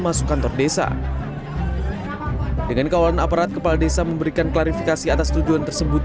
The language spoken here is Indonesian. masuk kantor desa dengan kawan aparat kepala desa memberikan klarifikasi atas tujuan tersebut